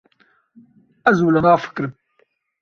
Ez wilo nafikirim.